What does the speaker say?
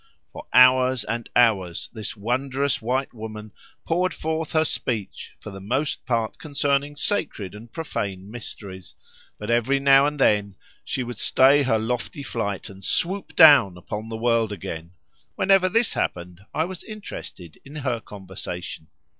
For hours and hours this wondrous white woman poured forth her speech, for the most part concerning sacred and profane mysteries; but every now and then she would stay her lofty flight and swoop down upon the world again. Whenever this happened I was interested in her conversation.